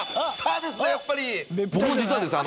僕も実はですね